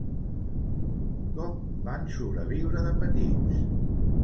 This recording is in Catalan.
Com van sobreviure de petits?